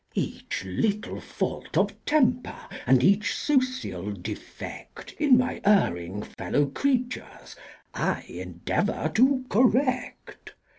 Each little fault of temper and each social defect In my erring fellow creatures, I endeavor to correct.